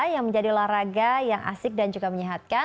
yang menjadi satu alternatif olahraga yang menyehatkan